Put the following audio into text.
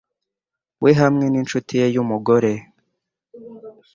we hamwe n'inshuti ye y'umugore